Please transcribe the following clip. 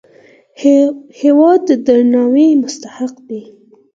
هېواد د درناوي مستحق دی.